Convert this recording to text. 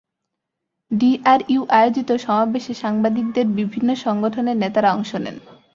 DRU আয়োজিত সমাবেশে সাংবাদিকদের বিভিন্ন সংগঠনের নেতারা অংশ নেন।